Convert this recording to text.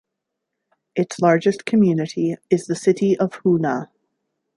Its largest community is the city of Hoonah.